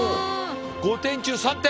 ５点中３点。